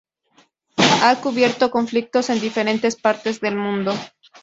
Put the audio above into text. Ha cubierto conflictos en diferentes partes del mundo.